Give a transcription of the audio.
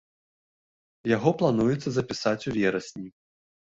Яго плануецца запісаць у верасні.